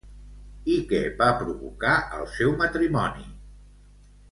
I què va provocar el seu matrimoni?